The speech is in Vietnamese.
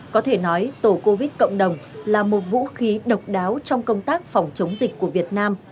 có thể nói tổ covid cộng đồng là một vũ khí độc đáo trong công tác phòng chống dịch của việt nam